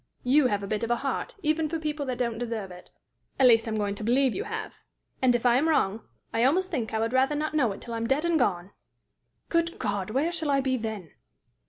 You have a bit of a heart, even for people that don't deserve it at least I'm going to believe you have; and, if I am wrong, I almost think I would rather not know it till I'm dead and gone! Good God! where shall I be then?"